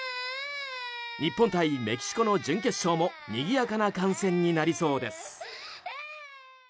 日本対メキシコの準決勝もにぎやかな観戦になりそうです。